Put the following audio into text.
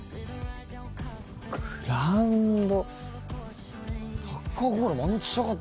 グラウンド。